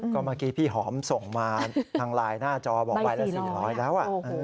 ก็เมื่อกี้พี่หอมส่งมาทางไลน์หน้าจอบอกใบละ๔๐๐แล้ว